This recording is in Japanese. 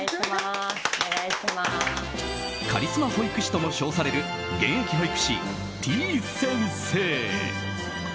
カリスマ保育士とも称される現役保育士、てぃ先生。